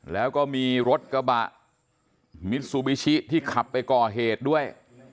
แล้วก็มีรถกระบะมิซูบิชิที่ขับไปก่อเหตุด้วย